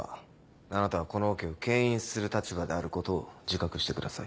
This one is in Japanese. あなたはこのオケをけん引する立場であることを自覚してください。